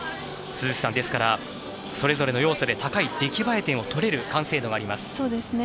鈴木さん、ですからそれぞれの要素で高い出来栄え点を取れる完成度があります。